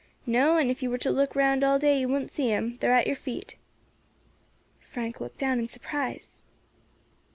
"No, and if you were to look round all day you wouldn't see 'em; they are at your feet." Frank looked down in surprise.